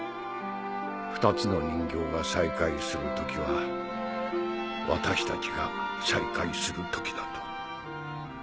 ２つの人形が再会する時は私たちが再会する時だと。